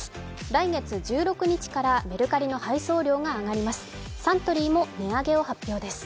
来月１６日からメルカリの配送料が上がります。